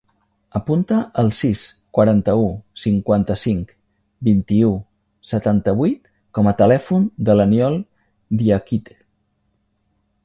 Apunta el sis, quaranta-u, cinquanta-cinc, vint-i-u, setanta-vuit com a telèfon de l'Aniol Diakite.